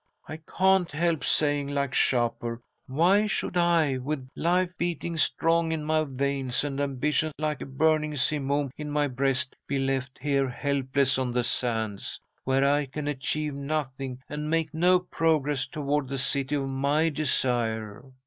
I can't help saying, like Shapur, 'Why should I, with life beating strong in my veins, and ambition like a burning simoom in my breast, be left here helpless on the sands, where I can achieve nothing and make no progress toward the City of my Desire?'